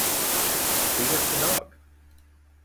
Who Gets the Dog?